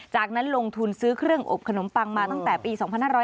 จากนั้นลงทุนซื้อเครื่องอบขนมปังมาตั้งแต่ปี๒๕๕๙